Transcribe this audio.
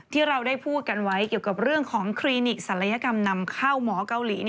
ที่เราได้พูดกันไว้เกี่ยวกับเรื่องของคลินิกศัลยกรรมนำข้าวหมอเกาหลี